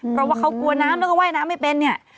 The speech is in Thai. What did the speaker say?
เพราะว่าเขากลัวน้ำแล้วก็ว่ายน้ำไม่เป็นเนี่ย